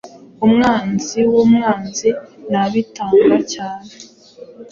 Umwanzi wumwanzi Nabitanga cyane